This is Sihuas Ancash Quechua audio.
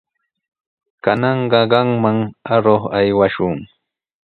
Kananqa qamman aruq aywashun.